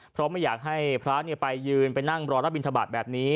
เพราะไม่อยากให้พระไปยืนไปนั่งรอรับบินทบาทแบบนี้